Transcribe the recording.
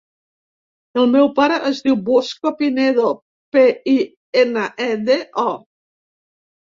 El meu pare es diu Bosco Pinedo: pe, i, ena, e, de, o.